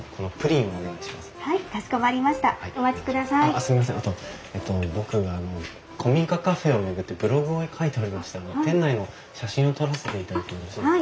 あと僕あの古民家カフェを巡ってブログを書いておりまして店内の写真を撮らせていただいてもよろしいですか？